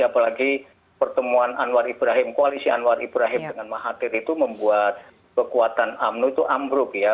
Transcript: apalagi pertemuan anwar ibrahim koalisi anwar ibrahim dengan mahathir itu membuat kekuatan amnu itu ambruk ya